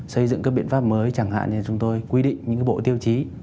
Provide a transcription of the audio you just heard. xây dựng các biện pháp mới chẳng hạn như là chúng tôi quy định những cái bộ tiêu chí